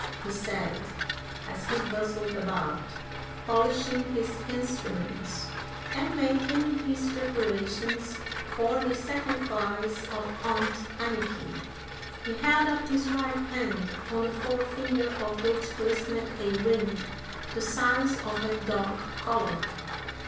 he said, as he bustled about, polishing his instruments and making his preparations for the sacrifice of Aunt Anniky. He held up his right hand, on the forefinger of which glistened a ring the size of a dog collar.